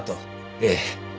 ええ。